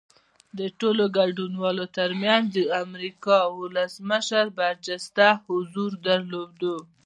د ټولو ګډونوالو ترمنځ د امریکا ولسمشر برجسته حضور درلود